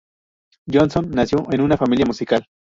Johnston nació en una familia musical.